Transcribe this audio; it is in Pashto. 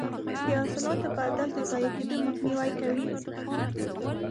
د حاصلاتو برداشت د ضایع کیدو مخنیوی کوي.